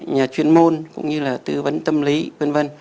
nhà chuyên môn cũng như là tư vấn tâm lý v v